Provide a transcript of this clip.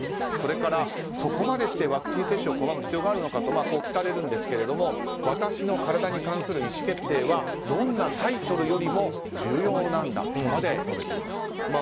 それから、そこまでしてワクチン接種を拒む必要があるのかとこう聞かれるんですが私の体に関する意思決定はどんなタイトルよりも重要なんだとまで述べています。